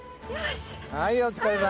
はいお疲れさん。